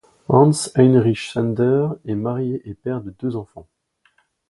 Hans-Heinrich Sander est marié et père de deux enfants.